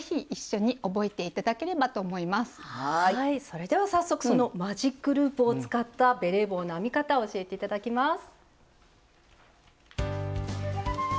それでは早速マジックループを使ったベレー帽の編み方を教えて頂きます。